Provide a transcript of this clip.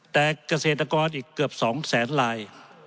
แต่เกษตรกรอีกเกือบ๒แสนลาย